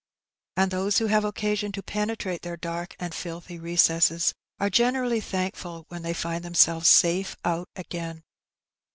And those who have occasion to penetrate their dark and filthy recesses are generally thank&il when they find themselves safe ont again.